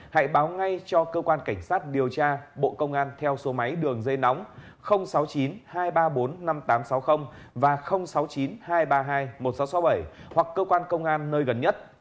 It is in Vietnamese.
hãy báo ngay cho cơ quan cảnh sát điều tra bộ công an theo số máy đường dây nóng sáu mươi chín hai trăm ba mươi bốn năm nghìn tám trăm sáu mươi và sáu mươi chín hai trăm ba mươi hai một nghìn sáu trăm sáu mươi bảy hoặc cơ quan công an nơi gần nhất